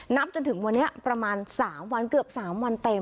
จนถึงวันนี้ประมาณ๓วันเกือบ๓วันเต็ม